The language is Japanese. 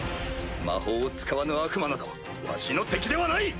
魔法を使わぬ悪魔などわしの敵ではない！